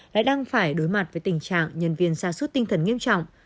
lại đang phải đối mặt với tình trạng nhân viên xa suốt tinh thần nghiêm trọng